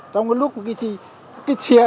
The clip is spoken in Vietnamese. trong cái lúc cái xe